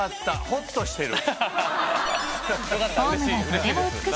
ほっとしてる。